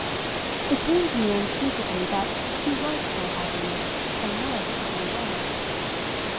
It came to me unspeakably that he was still hiding it and was keeping away.